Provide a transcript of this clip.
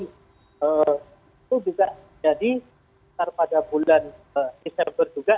itu juga jadi pada bulan desember juga